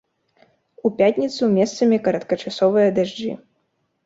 У пятніцу месцамі кароткачасовыя дажджы.